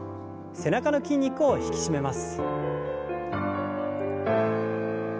背中の筋肉を引き締めます。